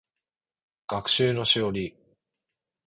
学習のしおり